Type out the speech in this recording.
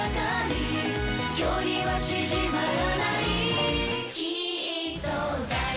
「距離は縮まらない」「きっと誰だって」